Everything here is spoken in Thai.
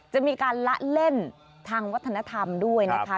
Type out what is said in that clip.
จะมีการละเล่นทางวัฒนธรรมด้วยนะคะ